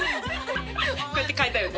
こうやって嗅いだよね。